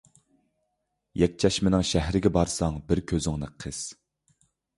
يەكچەشمىنىڭ شەھىرىگە بارساڭ بىر كۆزۈڭنى قىس.